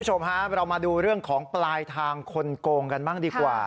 คุณผู้ชมฮะเรามาดูเรื่องของปลายทางคนโกงกันบ้างดีกว่า